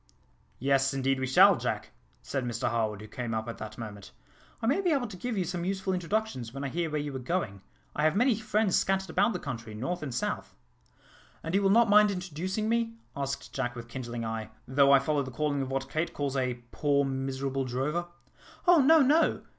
"Yes, indeed we shall, Jack," said Mr Harwood, who came up at that moment. "I may be able to give you some useful introductions, when I hear where you are going. I have many friends scattered about the country, north and south." "And you will not mind introducing me," asked Jack with kindling eye, "though I follow the calling of what Kate calls a poor, miserable drover?" "Oh, no, no!"